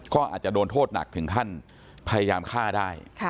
ก็อาจจะโดนโทษหนักถึงขั้นพยายามฆ่าได้